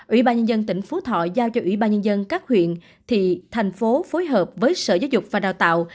ủy ban nhân dân tỉnh phú thọ giao cho ủy ban nhân dân các huyện thị thành phố phối hợp với sở giáo dục và đào tạo